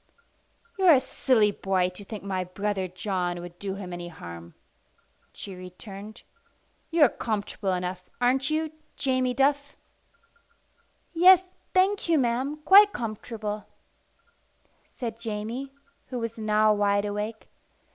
"You're a silly boy to think my brother John would do him any harm," she returned. "You're comfortable enough, aren't you, Jamie Duff?" "Yes, thank you, ma'am, quite comfortable," said Jamie, who was now wide awake.